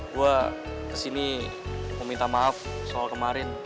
gue kesini mau minta maaf soal kemarin